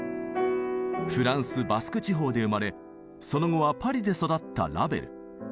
フランスバスク地方で生まれその後はパリで育ったラヴェル。